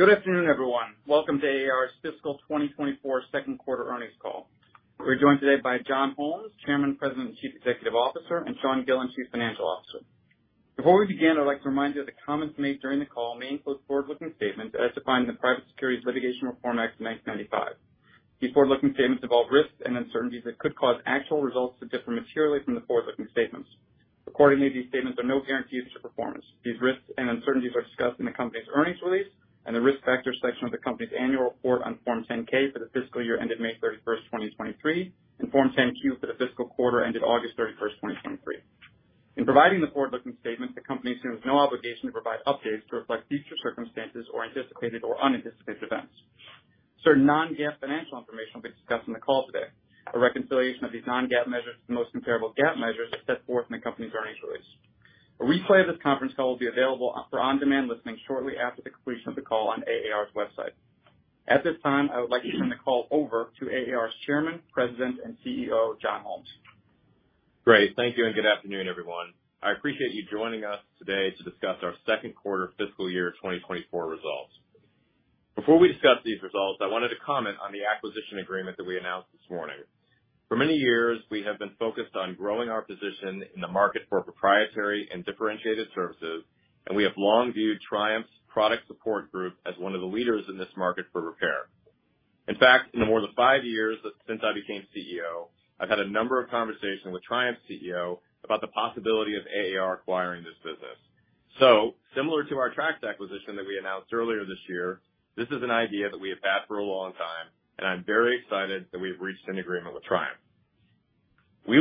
Good afternoon, everyone. Welcome to AAR's fiscal 2024 second quarter earnings call. We're joined today by John Holmes, Chairman, President, and Chief Executive Officer, and Sean Gillen, Chief Financial Officer. Before we begin, I'd like to remind you that the comments made during the call may include forward-looking statements as defined in the Private Securities Litigation Reform Act of 1995. These forward-looking statements involve risks and uncertainties that could cause actual results to differ materially from the forward-looking statements. Accordingly, these statements are no guarantees to performance. These risks and uncertainties are discussed in the company's earnings release and the Risk Factors section of the company's annual report on Form 10-K for the fiscal year ended May 31, 2023, and Form 10-Q for the fiscal quarter ended August 31st, 2023. In providing the forward-looking statements, the company assumes no obligation to provide updates to reflect future circumstances or anticipated or unanticipated events. Certain non-GAAP financial information will be discussed on the call today. A reconciliation of these non-GAAP measures to the most comparable GAAP measures is set forth in the company's earnings release. A replay of this conference call will be available for on-demand listening shortly after the completion of the call on AAR's website. At this time, I would like to turn the call over to AAR's Chairman, President, and CEO, John Holmes. Great. Thank you, and good afternoon, everyone. I appreciate you joining us today to discuss our second quarter fiscal year 2024 results. Before we discuss these results, I wanted to comment on the acquisition agreement that we announced this morning. For many years, we have been focused on growing our position in the market for proprietary and differentiated services, and we have long viewed Triumph Product Support as one of the leaders in this market for repair. In fact, in the more than five years that since I became CEO, I've had a number of conversations with Triumph's CEO about the possibility of AAR acquiring this business. So similar to our Trax acquisition that we announced earlier this year, this is an idea that we have had for a long time, and I'm very excited that we've reached an agreement with Triumph. We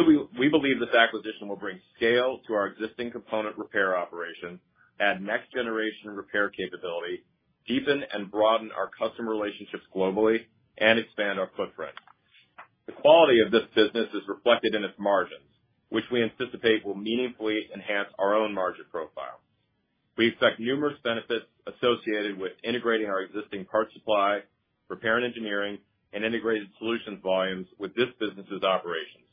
believe this acquisition will bring scale to our existing component repair operation, add next-generation repair capability, deepen and broaden our customer relationships globally, and expand our footprint. The quality of this business is reflected in its margins, which we anticipate will meaningfully enhance our own margin profile. We expect numerous benefits associated with integrating our existing Parts Supply, Repair & Engineering, and Integrated Solutions volumes with this business's operations.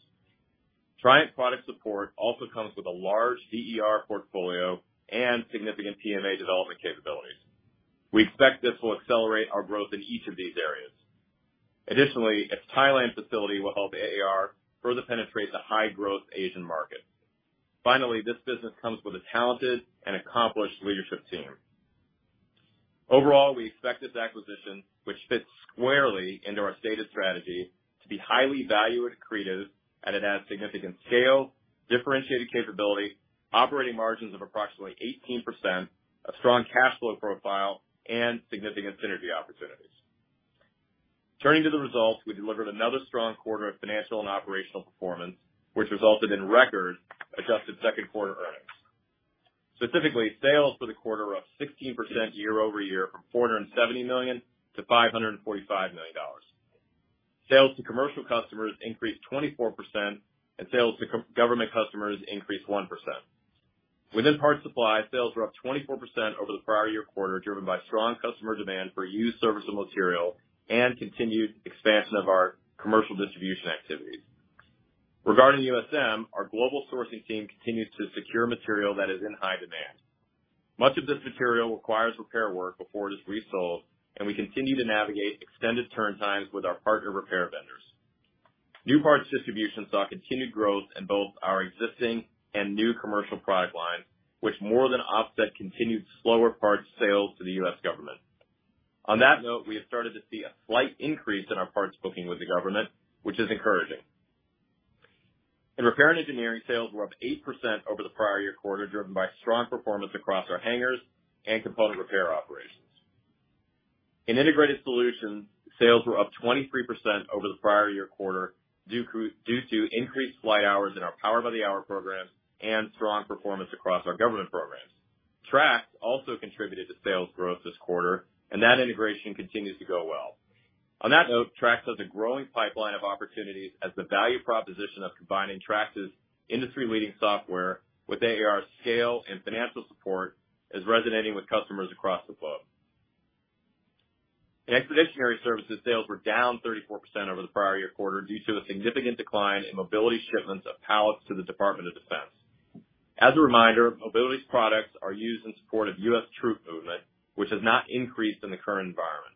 Triumph Product Support also comes with a large DER portfolio and significant PMA development capabilities. We expect this will accelerate our growth in each of these areas. Additionally, its Thailand facility will help AAR further penetrate the high-growth Asian market. Finally, this business comes with a talented and accomplished leadership team. Overall, we expect this acquisition, which fits squarely into our stated strategy, to be highly value accretive, and it adds significant scale, differentiated capability, operating margins of approximately 18%, a strong cash flow profile, and significant synergy opportunities. Turning to the results, we delivered another strong quarter of financial and operational performance, which resulted in record-adjusted second quarter earnings. Specifically, sales for the quarter were up 16% year-over-year from $470 million to $545 million. Sales to commercial customers increased 24%, and sales to government customers increased 1%. Within Parts Supply, sales were up 24% over the prior-year quarter, driven by strong customer demand for used serviceable material and continued expansion of our commercial distribution activities. Regarding USM, our global sourcing team continues to secure material that is in high demand. Much of this material requires repair work before it is resold, and we continue to navigate extended turn times with our partner repair vendors. New Parts Distribution saw continued growth in both our existing and new commercial product lines, which more than offset continued slower parts sales to the U.S. government. On that note, we have started to see a slight increase in our parts booking with the government, which is encouraging. In Repair & Engineering, sales were up 8% over the prior year quarter, driven by strong performance across our hangars and component repair operations. In integrated solutions, sales were up 23% over the prior year quarter, due to, due to increased flight hours in our Power-by -the-Hour programs and strong performance across our government programs. Trax also contributed to sales growth this quarter, and that integration continues to go well. On that note, Trax has a growing pipeline of opportunities as the value proposition of combining Trax's industry-leading software with AAR's scale and financial support is resonating with customers across the globe. In Expeditionary Services, sales were down 34% over the prior year quarter due to a significant decline in Mobility shipments of pallets to the Department of Defense. As a reminder, Mobility's products are used in support of U.S. troop movement, which has not increased in the current environment.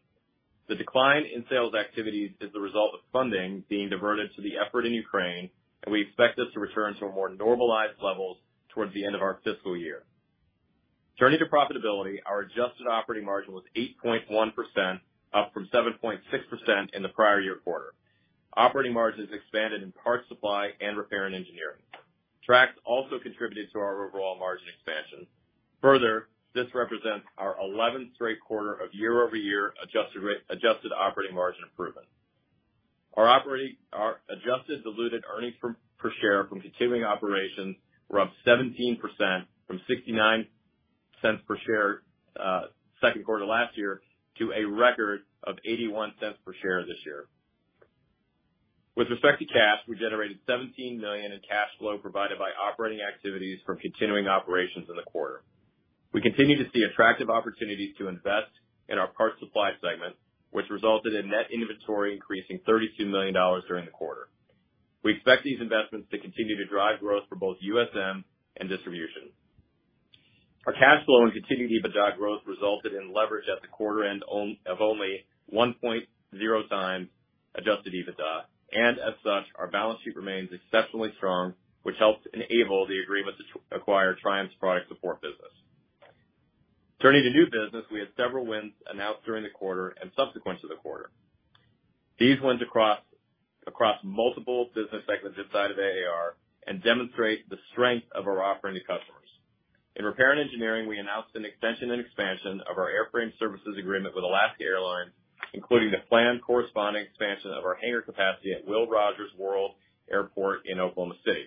The decline in sales activities is the result of funding being diverted to the effort in Ukraine, and we expect this to return to more normalized levels towards the end of our fiscal year. Turning to profitability, our adjusted operating margin was 8.1%, up from 7.6% in the prior year quarter. Operating margins expanded in parts supply and Repair & Engineering. Trax also contributed to our overall margin expansion. Further, this represents our eleventh straight quarter of year-over-year adjusted operating margin improvement. Our adjusted diluted earnings per share from continuing operations were up 17% from $0.69 per share second quarter last year to a record of $0.81 per share this year. With respect to cash, we generated $17 million in cash flow provided by operating activities from continuing operations in the quarter. We continue to see attractive opportunities to invest in our parts supply segment, which resulted in net inventory increasing $32 million during the quarter. We expect these investments to continue to drive growth for both USM and distribution. Our cash flow and continued EBITDA growth resulted in leverage at the quarter end of only 1.0x adjusted EBITDA, and as such, our balance sheet remains exceptionally strong, which helped enable the agreement to acquire Triumph's product support business. Turning to new business, we had several wins announced during the quarter and subsequent to the quarter. These wins across multiple business segments inside of AAR demonstrate the strength of our offering to customers. In Repair & Engineering, we announced an extension and expansion of our airframe services agreement with Alaska Airlines, including the planned corresponding expansion of our hangar capacity at Will Rogers World Airport in Oklahoma City.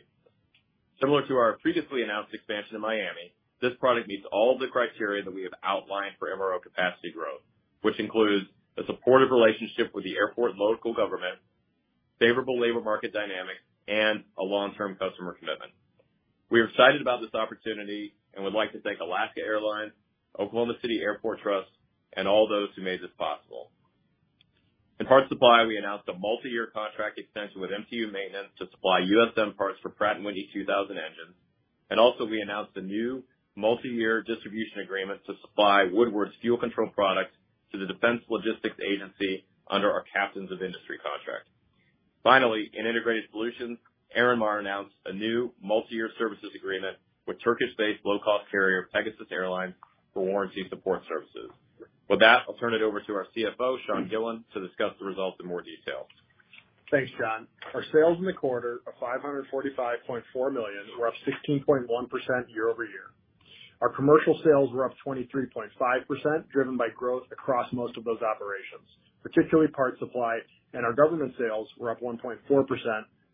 Similar to our previously announced expansion in Miami, this product meets all the criteria that we have outlined for MRO capacity growth, which includes a supportive relationship with the airport local government, favorable labor market dynamics, and a long-term customer commitment. We are excited about this opportunity and would like to thank Alaska Airlines, Oklahoma City Airport Trust, and all those who made this possible. In parts supply, we announced a multiyear contract extension with MTU Maintenance to supply USM parts for Pratt & Whitney PW2000 engines, and also we announced a new multi-year distribution agreement to supply Woodward's fuel control products to the Defense Logistics Agency under our Captains of Industry contract. Finally, in integrated solutions, Airinmar announced a new multi-year services agreement with Turkish-based low-cost carrier, Pegasus Airlines, for warranty support services. With that, I'll turn it over to our CFO, Sean Gillen, to discuss the results in more detail. Thanks, John. Our sales in the quarter are $545.4 million, were up 16.1% year-over-year. Our commercial sales were up 23.5%, driven by growth across most of those operations, particularly parts supply, and our government sales were up 1.4%,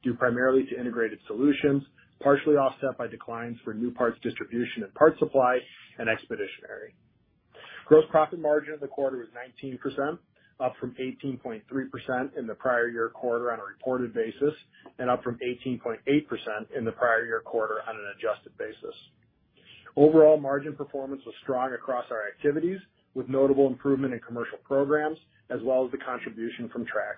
due primarily to integrated solutions, partially offset by declines for new parts distribution and parts supply and expeditionary. Gross profit margin in the quarter was 19%, up from 18.3% in the prior year quarter on a reported basis, and up from 18.8% in the prior year quarter on an adjusted basis. Overall, margin performance was strong across our activities, with notable improvement in commercial programs, as well as the contribution from Trax.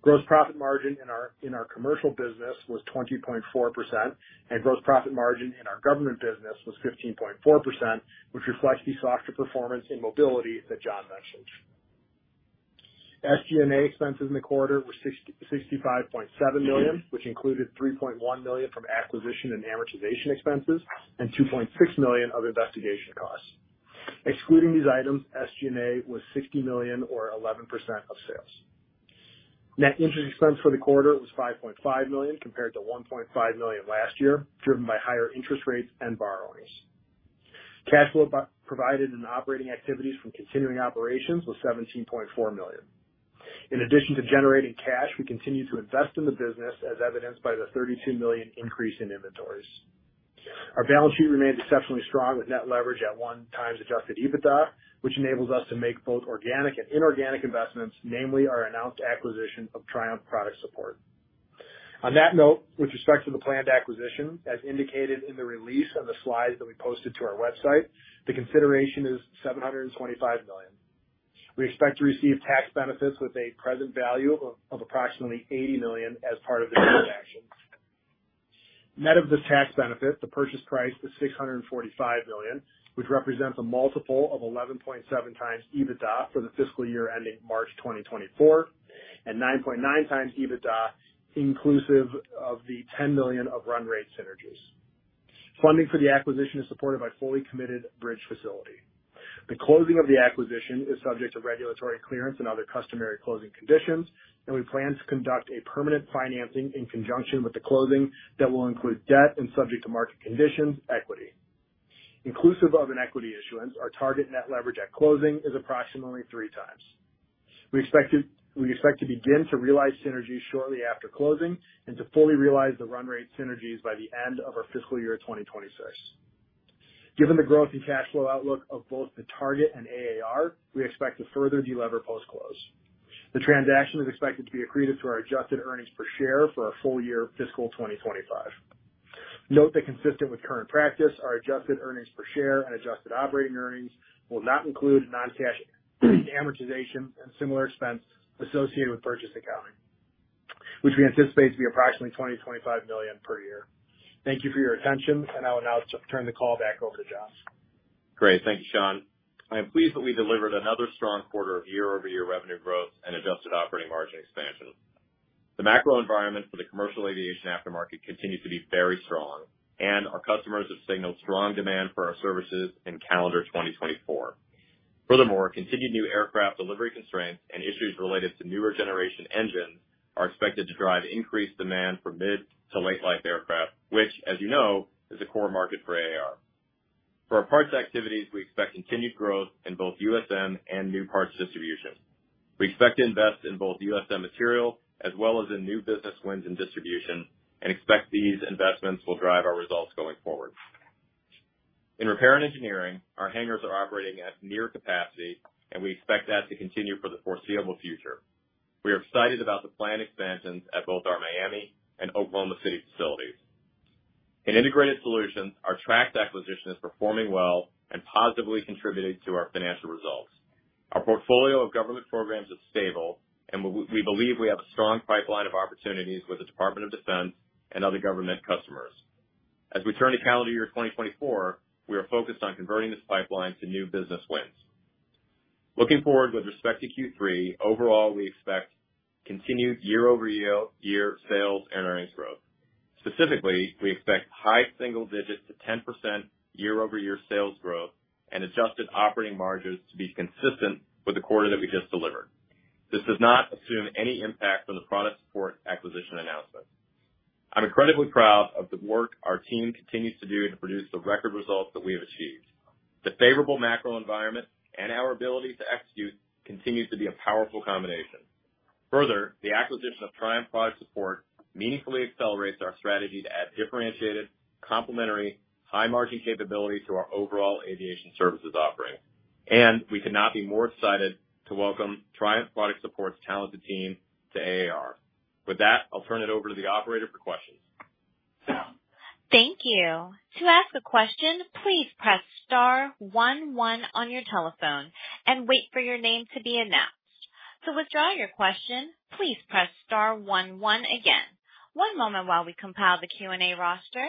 Gross profit margin in our, in our commercial business was 20.4%, and gross profit margin in our government business was 15.4%, which reflects the softer performance in mobility that John mentioned. SG&A expenses in the quarter were $65.7 million, which included $3.1 million from acquisition and amortization expenses and $2.6 million of investigation costs. Excluding these items, SG&A was $60 million or 11% of sales. Net interest expense for the quarter was $5.5 million, compared to $1.5 million last year, driven by higher interest rates and borrowings. Cash flow provided in operating activities from continuing operations was $17.4 million. In addition to generating cash, we continued to invest in the business, as evidenced by the $32 million increase in inventories. Our balance sheet remains exceptionally strong, with net leverage at 1x Adjusted EBITDA, which enables us to make both organic and inorganic investments, namely our announced acquisition of Triumph Product Support. On that note, with respect to the planned acquisition, as indicated in the release and the slides that we posted to our website, the consideration is $725 million. We expect to receive tax benefits with a present value of approximately $80 million as part of the transaction. Net of the tax benefit, the purchase price is $645 million, which represents a multiple of 11.7x EBITDA for the fiscal year ending March 2024, and 9.9x EBITDA, inclusive of the $10 million of run rate synergies. Funding for the acquisition is supported by fully committed bridge facility. The closing of the acquisition is subject to regulatory clearance and other customary closing conditions, and we plan to conduct a permanent financing in conjunction with the closing that will include debt and, subject to market conditions, equity. Inclusive of an equity issuance, our target net leverage at closing is approximately 3x. We expect to begin to realize synergies shortly after closing and to fully realize the run rate synergies by the end of our fiscal year 2026. Given the growth and cash flow outlook of both the target and AAR, we expect to further delever post-close. The transaction is expected to be accretive to our adjusted earnings per share for our full year fiscal 2025. Note that consistent with current practice, our adjusted earnings per share and adjusted operating earnings will not include non-cash amortization and similar expense associated with purchase accounting, which we anticipate to be approximately $20 million-$25 million per year. Thank you for your attention, and I will now turn the call back over to John. Great. Thank you, Sean. I am pleased that we delivered another strong quarter of year-over-year revenue growth and adjusted operating margin expansion. The macro environment for the commercial aviation aftermarket continued to be very strong, and our customers have signaled strong demand for our services in calendar 2024. Furthermore, continued new aircraft delivery constraints and issues related to newer generation engines are expected to drive increased demand for mid to late life aircraft, which, as you know, is a core market for AAR. For our parts activities, we expect continued growth in both USM and new parts distribution. We expect to invest in both USM material as well as in new business wins and distribution, and expect these investments will drive our results going forward. In Repair & Engineering, our hangars are operating at near capacity, and we expect that to continue for the foreseeable future. We are excited about the planned expansions at both our Miami and Oklahoma City facilities. In Integrated Solutions, our Trax acquisition is performing well and positively contributing to our financial results. Our portfolio of government programs is stable, and we believe we have a strong pipeline of opportunities with the Department of Defense and other government customers. As we turn to calendar year 2024, we are focused on converting this pipeline to new business wins. Looking forward with respect to Q3, overall, we expect continued year-over-year sales and earnings growth. Specifically, we expect high single digits to 10% year-over-year sales growth and adjusted operating margins to be consistent with the quarter that we just delivered. This does not assume any impact from the product support acquisition announcement. I'm incredibly proud of the work our team continues to do to produce the record results that we have achieved. The favorable macro environment and our ability to execute continues to be a powerful combination. Further, the acquisition of Triumph Product Support meaningfully accelerates our strategy to add differentiated, complementary, high-margin capabilities to our overall aviation services offering. We could not be more excited to welcome Triumph Product Support's talented team to AAR. With that, I'll turn it over to the operator for questions. Thank you. To ask a question, please press star one one on your telephone and wait for your name to be announced. To withdraw your question, please press star one one again. One moment while we compile the Q&A roster.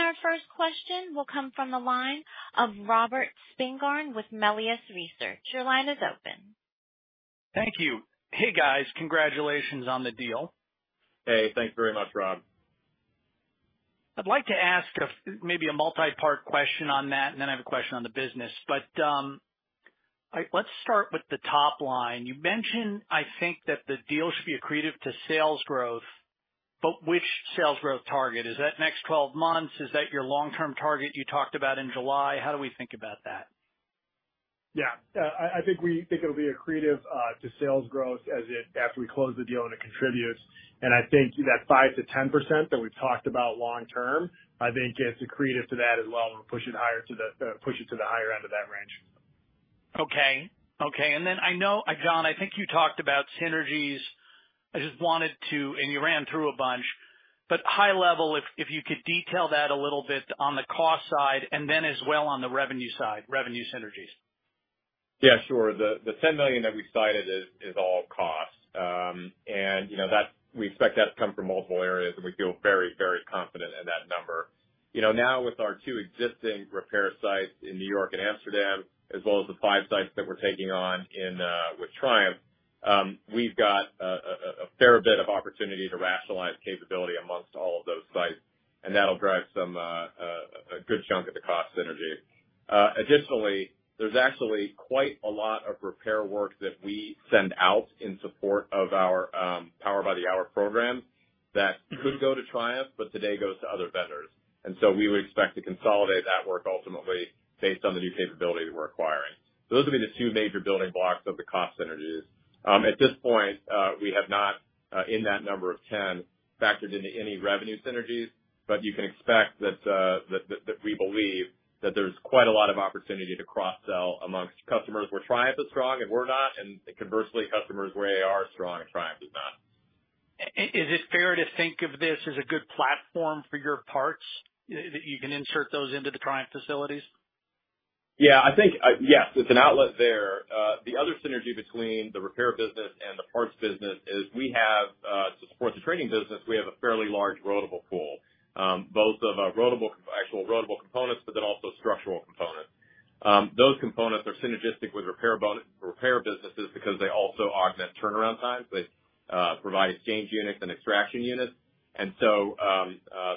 Our first question will come from the line of Robert Spingarn with Melius Research. Your line is open. Thank you. Hey, guys, congratulations on the deal! Hey, thanks very much, Rob. I'd like to ask maybe a multi-part question on that, and then I have a question on the business. But, let's start with the top line. You mentioned, I think, that the deal should be accretive to sales growth, but which sales growth target? Is that next twelve months? Is that your long-term target you talked about in July? How do we think about that? Yeah, I think we think it'll be accretive to sales growth as it, after we close the deal and it contributes. And I think that 5%-10% that we've talked about long term, I think, is accretive to that as well, and we'll push it higher to the, push it to the higher end of that range. Okay. Okay, and then I know, John, I think you talked about synergies. I just wanted to... And you ran through a bunch, but high level, if, if you could detail that a little bit on the cost side and then as well on the revenue side, revenue synergies. Yeah, sure. The $10 million that we cited is all cost. And, you know, that we expect that to come from multiple areas, and we feel very, very confident in that number. You know, now with our two existing repair sites in New York and Amsterdam, as well as the 5 sites that we're taking on in with Triumph, we've got a fair bit of opportunity to rationalize capability among all of those sites, and that'll drive some a good chunk of the cost synergy. Additionally, there's actually quite a lot of repair work that we send out in support of our Power-by-the-Hour program that could go to Triumph, but today goes to other vendors. And so we would expect to consolidate that work ultimately, based on the new capability we're acquiring. Those will be the two major building blocks of the cost synergies. At this point, we have not, in that number of 10, factored into any revenue synergies, but you can expect that we believe that there's quite a lot of opportunity to cross-sell among customers where Triumph is strong and we're not, and conversely, customers where AAR is strong and Triumph is not. Is it fair to think of this as a good platform for your parts, that you can insert those into the Triumph facilities? Yeah, I think, yes, it's an outlet there. The other synergy between the repair business and the parts business is we have to support the trading business, we have a fairly large rotable pool, both of rotable, actual rotable components, but then also structural components. Those components are synergistic with repair business because they also augment turnaround times. They provide exchange units and extraction units. And so,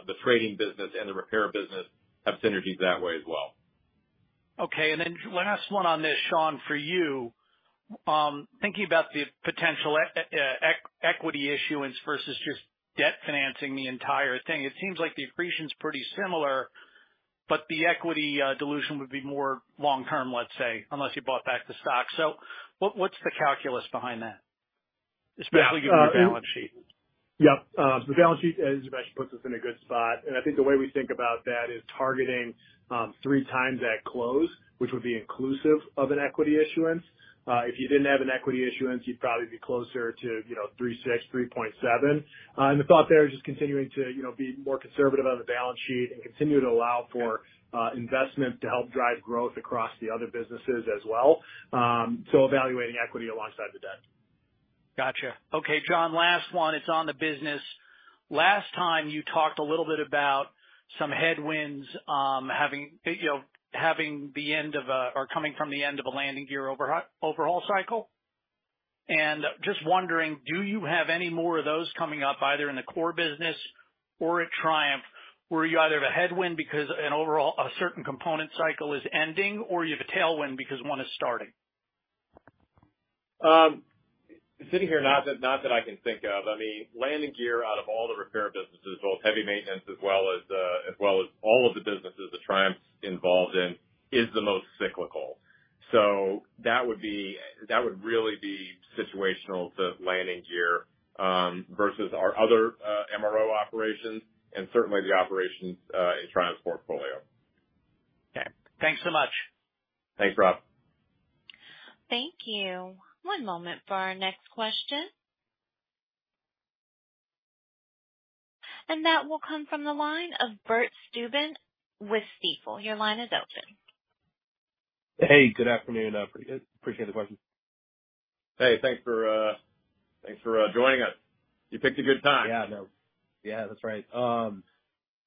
the trading business and the repair business have synergies that way as well. Okay, and then last one on this, Sean, for you. Thinking about the potential equity issuance versus just debt financing the entire thing, it seems like the accretion's pretty similar, but the equity dilution would be more long term, let's say, unless you bought back the stock. So what's the calculus behind that, especially given your balance sheet? Yep. The balance sheet, as you mentioned, puts us in a good spot, and I think the way we think about that is targeting 3x at close, which would be inclusive of an equity issuance. If you didn't have an equity issuance, you'd probably be closer to, you know, 3.6x, 3.7x. And the thought there is just continuing to, you know, be more conservative on the balance sheet and continue to allow for investment to help drive growth across the other businesses as well. So evaluating equity alongside the debt. Gotcha. Okay, John, last one. It's on the business. Last time you talked a little bit about some headwinds, having, you know, having the end of a -- or coming from the end of a landing gear overhaul cycle. Just wondering, do you have any more of those coming up, either in the core business or at Triumph, where you either have a headwind because an overhaul, a certain component cycle is ending, or you have a tailwind because one is starting? Sitting here, not that I can think of. I mean, landing gear out of all the repair businesses, both heavy maintenance as well as all of the businesses that Triumph's involved in, is the most cyclical. So that would be. That would really be situational to landing gear versus our other MRO operations and certainly the operations in Triumph's portfolio. Thanks so much! Thanks, Rob. Thank you. One moment for our next question. That will come from the line of Bert Subin with Stifel. Your line is open. Hey, good afternoon, appreciate the question. Hey, thanks for joining us. You picked a good time. Yeah, I know. Yeah, that's right.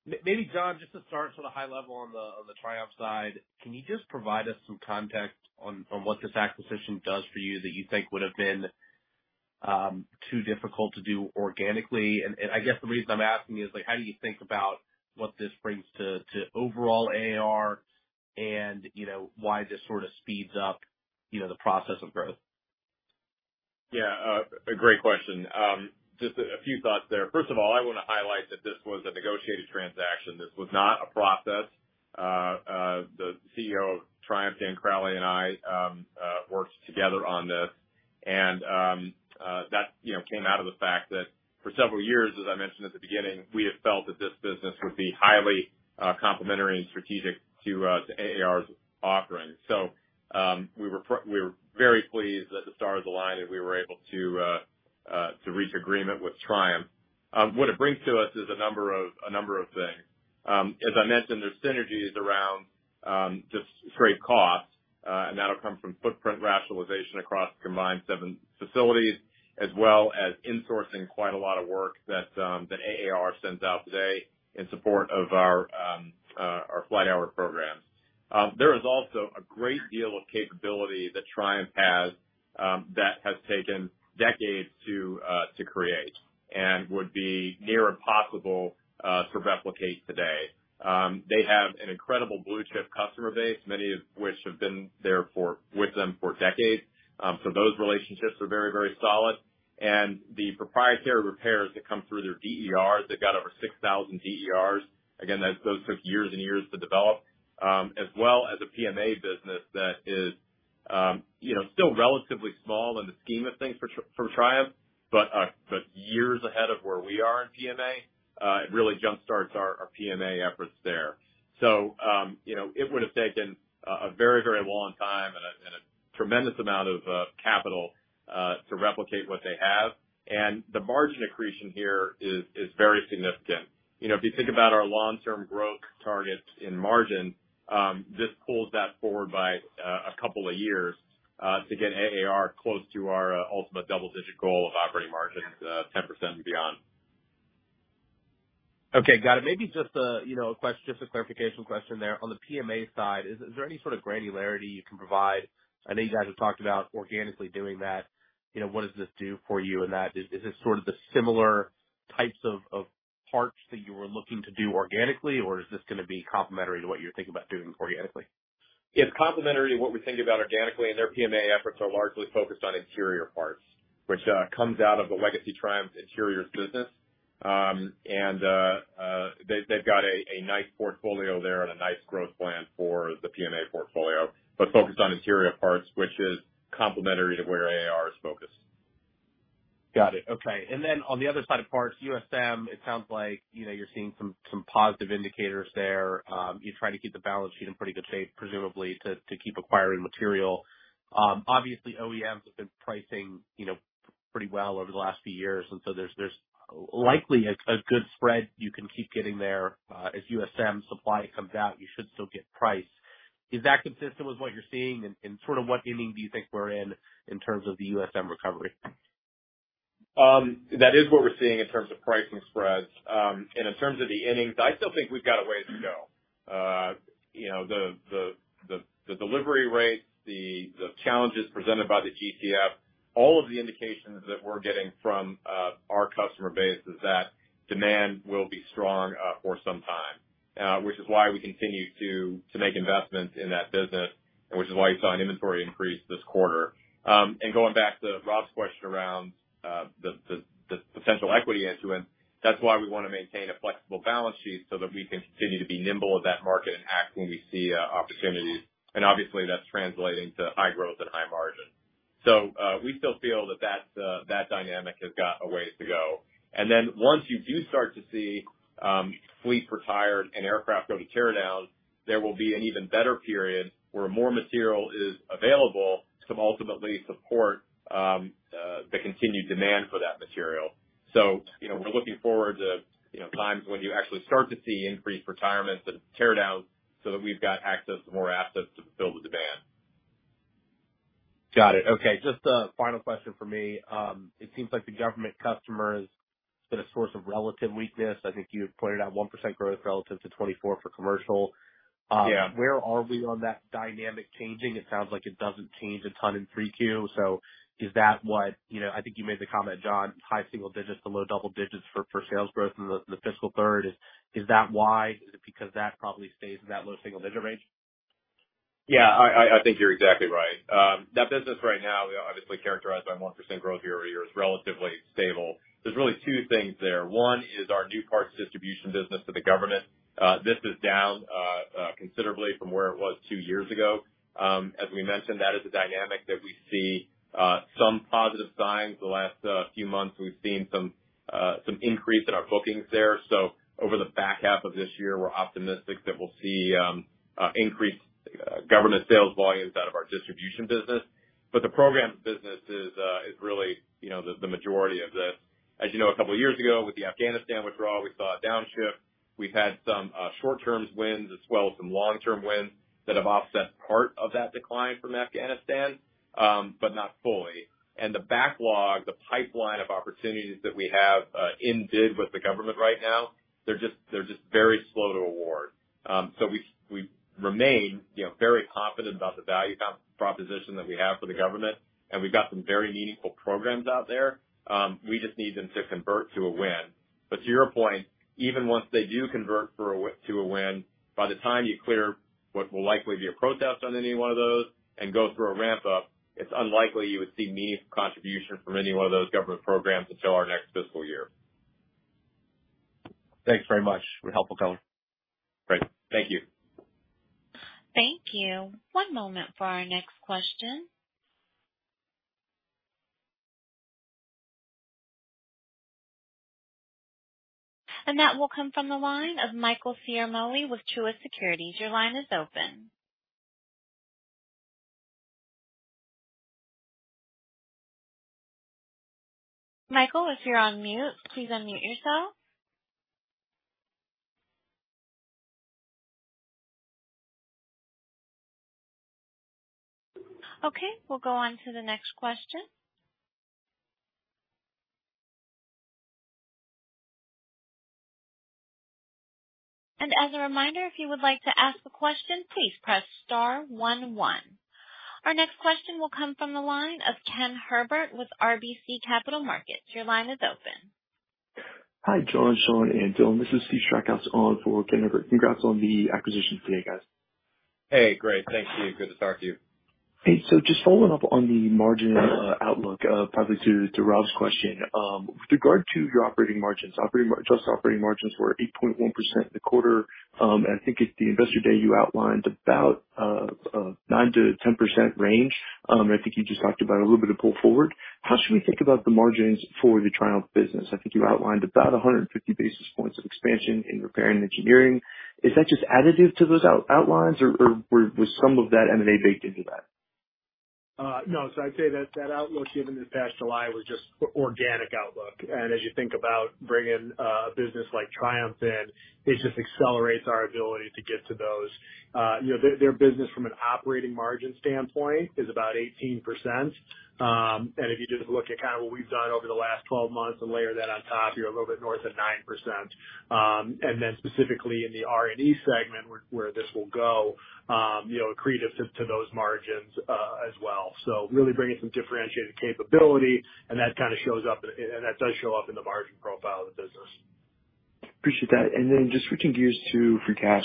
Maybe, John, just to start sort of high level on the, on the Triumph side, can you just provide us some context on, on what this acquisition does for you that you think would have been too difficult to do organically? And, and I guess the reason I'm asking is like, how do you think about what this brings to, to overall AAR and you know, why this sort of speeds up, you know, the process of growth? Yeah, a great question. Just a few thoughts there. First of all, I want to highlight that this was a negotiated transaction. This was not a process. The CEO of Triumph, Dan Crowley, and I worked together on this. And that you know came out of the fact that for several years, as I mentioned at the beginning, we have felt that this business would be highly complementary and strategic to AAR's offerings. So we were very pleased that the stars aligned, and we were able to reach agreement with Triumph. What it brings to us is a number of things. As I mentioned, there's synergies around, just straight costs, and that'll come from footprint rationalization across combined seven facilities, as well as insourcing quite a lot of work that, that AAR sends out today in support of our, our flight hour program. There is also a great deal of capability that Triumph has, that has taken decades to, to create and would be near impossible, to replicate today. They have an incredible blue chip customer base, many of which have been there with them for decades. So those relationships are very, very solid. And the proprietary repairs that come through their DERs, they've got over 6,000 DERs. Again, those took years and years to develop. As well as a PMA business that is, you know, still relatively small in the scheme of things for Triumph, but, but years ahead of where we are in PMA, it really jumpstarts our, our PMA efforts there. So, you know, it would have taken a, a very, very long time and a, and a tremendous amount of, capital, to replicate what they have. And the margin accretion here is, is very significant. You know, if you think about our long-term growth targets in margin, this pulls that forward by, a couple of years, to get AAR close to our, ultimate double-digit goal of operating margins, 10% and beyond. Okay, got it. Maybe just a, you know, just a clarification question there. On the PMA side, is there any sort of granularity you can provide? I know you guys have talked about organically doing that. You know, what does this do for you in that? Is this sort of the similar types of parts that you were looking to do organically, or is this gonna be complementary to what you're thinking about doing organically? It's complementary to what we think about organically, and their PMA efforts are largely focused on interior parts, which comes out of the legacy Triumph Interiors business. They've got a nice portfolio there and a nice growth plan for the PMA portfolio, but focused on interior parts, which is complementary to where AAR is focused. Got it. Okay. And then on the other side of parts, USM, it sounds like, you know, you're seeing some positive indicators there. You're trying to keep the balance sheet in pretty good shape, presumably to keep acquiring material. Obviously, OEMs have been pricing, you know, pretty well over the last few years, and so there's likely a good spread you can keep getting there. As USM supply comes out, you should still get price. Is that consistent with what you're seeing, and sort of what inning do you think we're in in terms of the USM recovery? That is what we're seeing in terms of pricing spreads. And in terms of the innings, I still think we've got a way to go. You know, the delivery rates, the challenges presented by the GTF, all of the indications that we're getting from our customer base is that demand will be strong for some time, which is why we continue to make investments in that business and which is why you saw an inventory increase this quarter. And going back to Rob's question around the potential equity issuance, that's why we want to maintain a flexible balance sheet, so that we can continue to be nimble in that market and act when we see opportunities. And obviously, that's translating to high growth and high margin. So, we still feel that dynamic has got a ways to go. And then once you do start to see fleet retired and aircraft go to teardown, there will be an even better period where more material is available to ultimately support the continued demand for that material. So, you know, we're looking forward to, you know, times when you actually start to see increased retirements and teardowns so that we've got access to more assets to fulfill the demand. Got it. Okay, just a final question from me. It seems like the government customer has been a source of relative weakness. I think you had pointed out 1% growth relative to 2024 for commercial. Yeah. Where are we on that dynamic changing? It sounds like it doesn't change a ton in 3Q. So is that what... You know, I think you made the comment, John, high single digits to low double digits for sales growth in the fiscal third. Is that why? Is it because that probably stays in that low single digit range? Yeah, I think you're exactly right. That business right now, you know, obviously characterized by 1% growth year-over-year is relatively stable. There's really two things there. One is our new parts distribution business to the government. This is down considerably from where it was two years ago. As we mentioned, that is a dynamic that we see some positive signs. The last few months, we've seen some increase in our bookings there. So over the back half of this year, we're optimistic that we'll see increased government sales volumes out of our distribution business. But the programs business is really, you know, the majority of this. As you know, a couple years ago with the Afghanistan withdrawal, we saw a downshift. We've had some short-term wins as well as some long-term wins that have offset part of that decline from Afghanistan, but not fully. The backlog, the pipeline of opportunities that we have in bid with the government right now, they're just very slow to award. So we remain, you know, very confident about the value proposition that we have for the government, and we've got some very meaningful programs out there. We just need them to convert to a win. But to your point, even once they do convert to a win, by the time you clear what will likely be a protest on any one of those and go through a ramp-up, it's unlikely you would see meaningful contribution from any one of those government programs until our next fiscal year. Thanks very much for the helpful comment. Great. Thank you. Thank you. One moment for our next question. And that will come from the line of Michael Ciarmoli with Truist Securities. Your line is open. Michael, if you're on mute, please unmute yourself. Okay, we'll go on to the next question. And as a reminder, if you would like to ask a question, please press star one one. Our next question will come from the line of Ken Herbert with RBC Capital Markets. Your line is open. Hi, John, Sean, and Dylan. This is Steve Strakosch on for Ken Herbert. Congrats on the acquisition today, guys. Hey, great. Thanks, Steve. Good to talk to you. Hey, so just following up on the margin outlook, probably to Rob's question. With regard to your operating margins, adjusted operating margins were 8.1% in the quarter. And I think at the Investor Day, you outlined about a 9%-10% range. And I think you just talked about a little bit of pull forward. How should we think about the margins for the Triumph business? I think you outlined about 150 basis points of expansion in Repair & Engineering. Is that just additive to those outlines or was some of that M&A baked into that? No. So I'd say that that outlook given this past July was just organic outlook. And as you think about bringing a business like Triumph in, it just accelerates our ability to get to those. You know, their, their business from an operating margin standpoint is about 18%. And if you just look at kind of what we've done over the last 12 months and layer that on top, you're a little bit north of 9%. And then specifically in the R&D segment where, where this will go, you know, accretive to, to those margins, as well. So really bringing some differentiated capability, and that kind of shows up, and, and that does show up in the margin profile of the business. Appreciate that. And then just switching gears to free cash.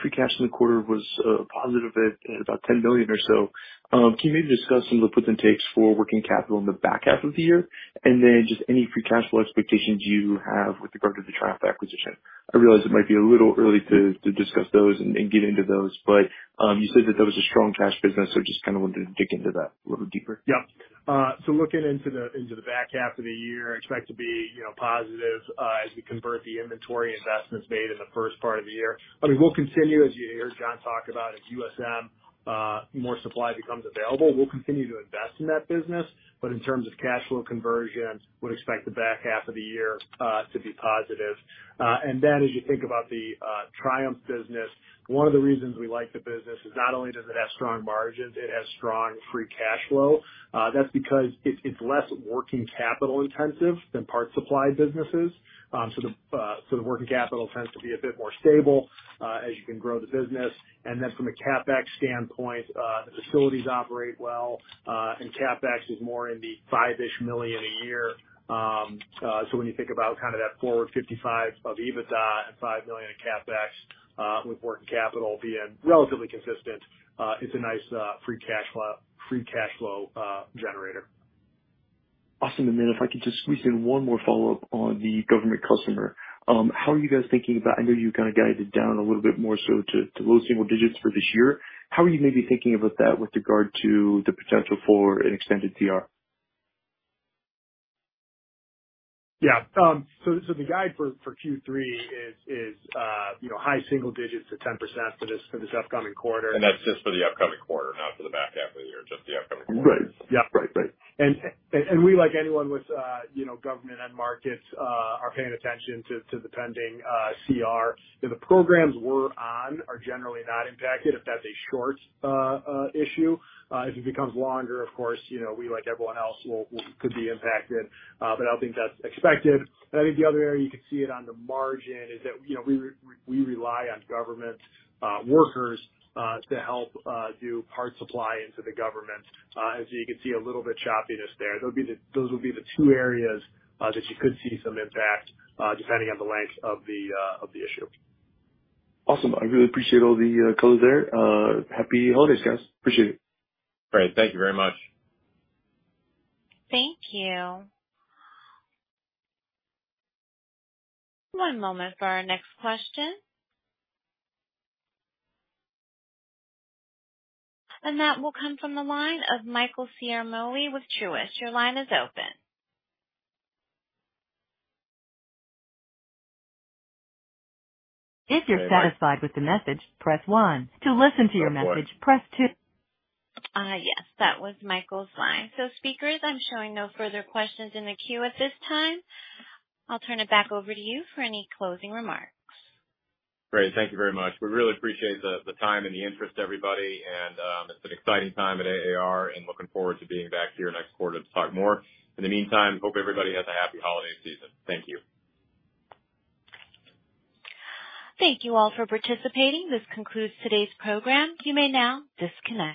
Free cash in the quarter was positive at about $10 million or so. Can you maybe discuss some of the puts and takes for working capital in the back half of the year, and then just any free cash flow expectations you have with regard to the Triumph acquisition? I realize it might be a little early to discuss those and get into those, but you said that that was a strong cash business, so just kind of wanted to dig into that a little deeper. Yeah. So looking into the back half of the year, expect to be, you know, positive, as we convert the inventory investments made in the first part of the year. I mean, we'll continue, as you heard John talk about, as USM more supply becomes available, we'll continue to invest in that business. But in terms of cash flow conversion, would expect the back half of the year to be positive. And then as you think about the Triumph business, one of the reasons we like the business is not only does it have strong margins, it has strong free cash flow. That's because it's less working capital intensive than parts supply businesses. So the working capital tends to be a bit more stable, as you can grow the business. And then from a CapEx standpoint, the facilities operate well, and CapEx is more in the $5 million a year. So when you think about kind of that forward 5.5x EBITDA and $5 million in CapEx, with working capital being relatively consistent, it's a nice, free cash flow, free cash flow, generator. Awesome. And then if I could just squeeze in one more follow-up on the government customer. How are you guys thinking about... I know you kind of guided down a little bit more so to low single digits for this year. How are you maybe thinking about that with regard to the potential for an extended CR? Yeah. So, the guide for Q3 is, you know, high single digits to 10% for this upcoming quarter. That's just for the upcoming quarter, not for the back half of the year, just the upcoming quarter. Right. Yeah. Right. Right. We, like anyone with, you know, government end markets, are paying attention to the pending CR. The programs we're on are generally not impacted if that's a short issue. If it becomes longer, of course, you know, we, like everyone else, will could be impacted, but I don't think that's expected. And I think the other area you could see it on the margin is that, you know, we rely on government workers to help do part supply into the government. And so you can see a little bit of choppiness there. Those will be the two areas that you could see some impact, depending on the length of the issue. Awesome. I really appreciate all the color there. Happy holidays, guys. Appreciate it. Great. Thank you very much. Thank you. One moment for our next question. That will come from the line of Michael Ciarmoli with Truist. Your line is open. If you're satisfied with the message, press one. To listen to your message, press two. Yes, that was Michael's line. Speakers, I'm showing no further questions in the queue at this time. I'll turn it back over to you for any closing remarks. Great, thank you very much. We really appreciate the time and the interest, everybody, and, it's an exciting time at AAR and looking forward to being back here next quarter to talk more. In the meantime, hope everybody has a happy holiday season. Thank you. Thank you all for participating. This concludes today's program. You may now disconnect.